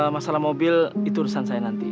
masalah mobil itu urusan saya nanti